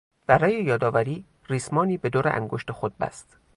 برای یادآوری ریسمانی به دور انگشت خود بست.